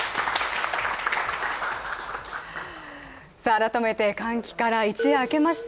改めて歓喜から一夜明けました。